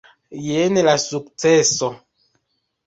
Jen la sukceso.